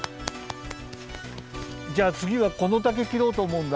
じゃあつぎはこの竹きろうとおもうんだ。